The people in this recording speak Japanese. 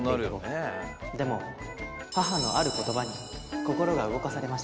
でも母のある言葉に心が動かされました